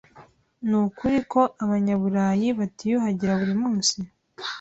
Nukuri ko Abanyaburayi batiyuhagira buri munsi?